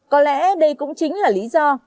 có lẽ đây cũng chính là lý do